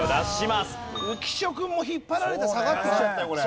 浮所君も引っ張られて下がってきちゃったよこれ。